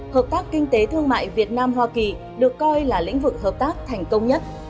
hợp tác kinh tế thương mại việt nam hoa kỳ được coi là lĩnh vực hợp tác thành công nhất